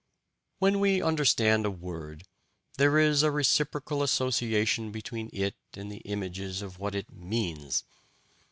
When we understand a word, there is a reciprocal association between it and the images of what it "means."